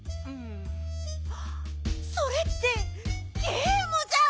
それってゲームじゃん！